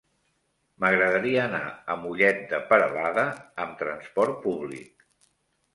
M'agradaria anar a Mollet de Peralada amb trasport públic.